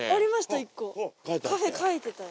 １個カフェ描いてたよ。